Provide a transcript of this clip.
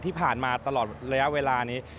ที่ผ่านมาตลอดระยะเวลานี้